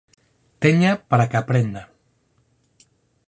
Teña para que a prenda".